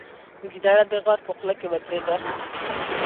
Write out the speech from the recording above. ګیدړه د غار په خوله کې ودرېده.